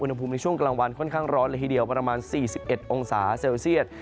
อุณหภูมิในช่วงกลางวันค่อนข้างร้อนเลยทีเดียวประมาณ๔๑องศาเซลเซียต